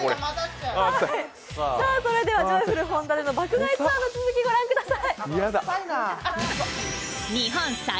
ジョイフル本田での爆買いツアーでの続き、御覧ください。